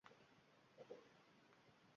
Hali bu guzardan olib o‘tishadi.